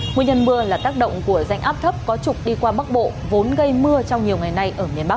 nguyên nhân mưa là tác động của rãnh áp thấp có trục đi qua bắc bộ vốn gây mưa trong nhiều ngày nay ở miền bắc